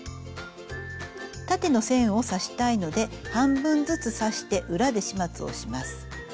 縦の線を刺したいので半分ずつ刺して裏で始末をします。